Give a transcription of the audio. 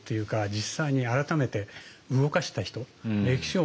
実際に改めて動かした人。